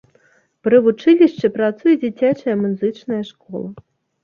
Пры вучылішчы працуе дзіцячая музычная школа.